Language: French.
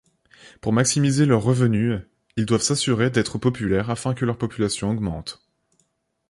Pour maximiser leurs revenus, ils doivent s’assurer d’être populaire afin que leur population augmente.